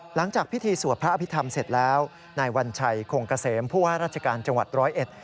หลังจากพิธีสวดพระอภิษฐรรมเสร็จแล้วนายวัญชัยคงเกษมผู้ว่าราชการจังหวัดร้อยเอ็ด